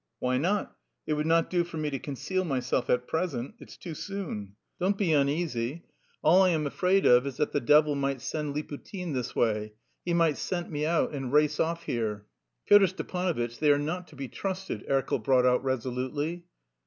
"Why not? It would not do for me to conceal myself at present. It's too soon. Don't be uneasy. All I am afraid of is that the devil might send Liputin this way; he might scent me out and race off here." "Pyotr Stepanovitch, they are not to be trusted," Erkel brought out resolutely.